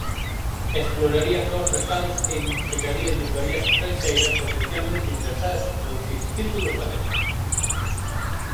E exploraría novos mercados e identificaría editoriais estranxeiras potencialmente interesadas en traducir títulos galegos.